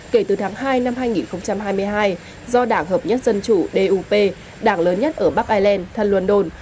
kể từ tháng hai năm hai nghìn hai mươi hai do đảng hợp nhất dân chủp đảng lớn nhất ở bắc ireland thân london